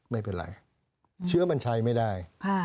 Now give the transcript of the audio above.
ไม่เป็นไรเชื้อมันใช้ไม่ได้